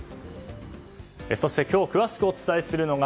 そして今日詳しくお伝えするのが